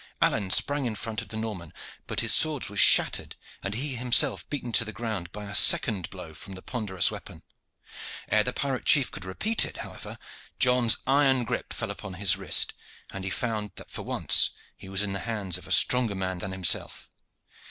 Alleyne sprang in front of the Norman, but his sword was shattered and he himself beaten to the ground by a second blow from the ponderous weapon. Ere the pirate chief could repeat it, however, John's iron grip fell upon his wrist, and he found that for once he was in the hands of a stronger man than himself.